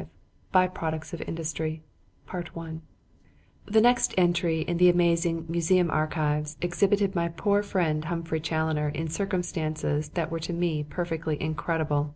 V BY PRODUCTS OF INDUSTRY The next entry in the amazing "Museum Archives" exhibited my poor friend Humphrey Challoner in circumstances that were to me perfectly incredible.